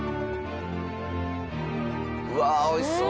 うわおいしそう。